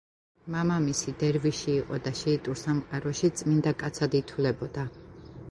მამამისი დერვიში იყო და შიიტურ სამყაროში წმინდა კაცად ითვლებოდა.